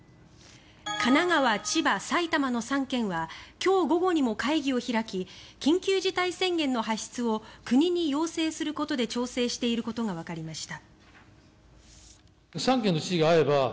神奈川、千葉、埼玉の３県は今日午後にも会議を開き緊急事態宣言の発出を国に要請することで調整していることがわかりました。